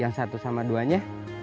yang satu sama duanya